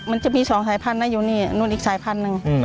มันจะมี๒สายพันธุนะอยู่นี่นู่นอีกสายพันธุ์หนึ่ง